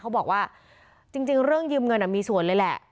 เขาบอกว่าจริงเรื่องยืมเงินมีส่วนเลยแหละ